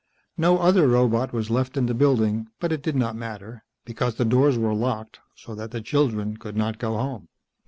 No other robot was left in the building, but it did not matter, because the doors were locked so that the children could not go home.